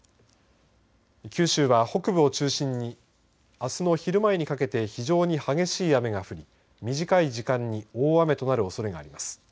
九州は北部を中心にあすの昼前にかけて非常に激しい雨が降り短い時間に大雨となるおそれがあります。